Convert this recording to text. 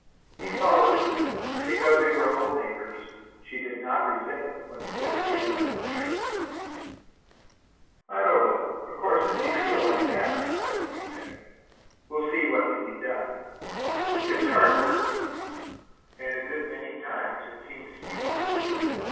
He followed her, and, because they were old neighbors, she did not resent it when he put his hand on her shoulder. "I don't know of course, if you feel like that about it," he said, "we'll see what can be done. It's hard work, and a good many times it seems futile.